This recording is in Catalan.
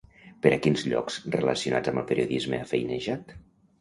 Per a quins llocs relacionats amb el periodisme ha feinejat?